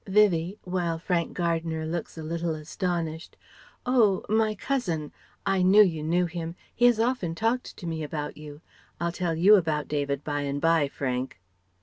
Vivie (while Frank Gardner looks a little astonished): "Oh my cousin. I knew you knew him. He has often talked to me about you. I'll tell you about David by and bye, Frank."